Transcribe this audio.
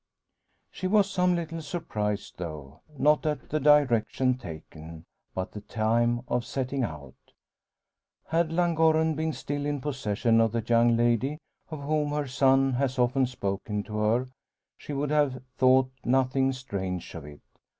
She was some little surprised, though; not at the direction taken, but the time of setting out. Had Llangorren been still in possession of the young lady, of whom her son has often spoken to her, she would have thought nothing strange of it.